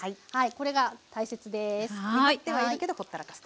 これが大切です。